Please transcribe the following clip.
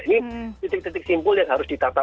ini titik titik simpul yang harus ditata